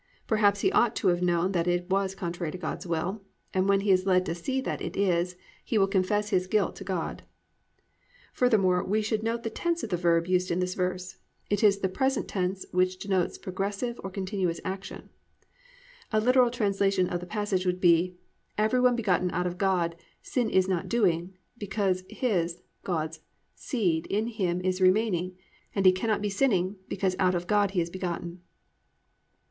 Perhaps he ought to have known that it was contrary to God's will and when he is led to see that it is, he will confess his guilt to God. Furthermore, we should note the tense of the verb used in this verse. It is the present tense which denotes progressive or continuous action. A literal translation of the passage would be, "Everyone begotten out of God, sin is not doing, because His (God's) seed in him is remaining; and he cannot be sinning, because out of God he is begotten."